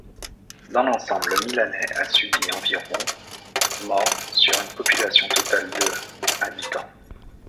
Dans l'ensemble, le Milanais a subi environ morts sur une population totale de habitants.